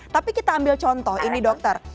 tapi kita ambil contoh ini dokter